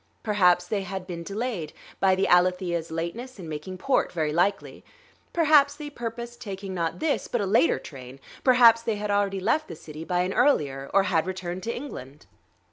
Perhaps they had been delayed by the Alethea's lateness in making port very likely; perhaps they purposed taking not this but a later train; perhaps they had already left the city by an earlier, or had returned to England.